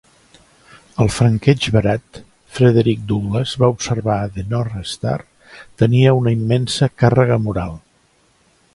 "El franqueig barat, Frederick Douglass va observar a The North Star, tenia una "immensa càrrega moral".